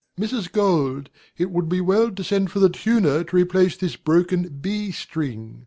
DOMINIE. Mrs. Gold, it would be well to send for the tuner to replace this broken B string.